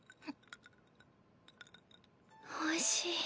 おいしい。